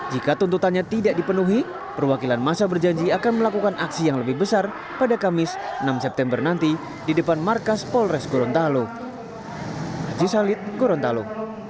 jika tuntutannya tidak dipenuhi perwakilan masa berjanji akan melakukan aksi yang lebih besar pada kamis enam september nanti di depan markas polres gorontalo